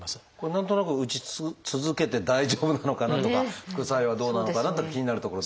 何となく打ち続けて大丈夫なのかなとか副作用はどうなのかなと気になるところですが。